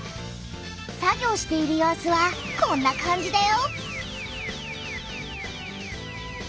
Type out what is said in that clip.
作業している様子はこんな感じだよ。